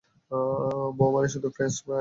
বউ মানে শুধু ফ্রেঞ্চ ফ্রাই নয়, বউ মানে মাখনও!